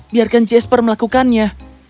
biarkan jasper melakukannya